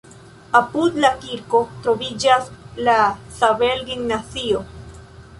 Apud la kirko troviĝas la Zabel-gimnazio.